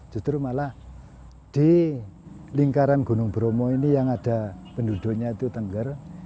justru malah di lingkaran gunung bromo ini yang ada penduduknya itu tengger